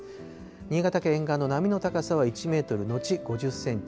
新潟県沿岸の波の高さは１メートル後５０センチ。